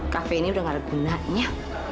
cafe ini sudah tidak ada gunanya